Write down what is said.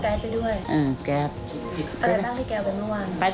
เอาแก๊สไปด้วย